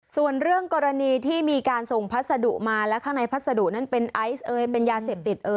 ส่วนเรื่องกรณีที่มีการส่งพัสดุมาและข้างในพัสดุนั้นเป็นไอซ์เอ่ยเป็นยาเสพติด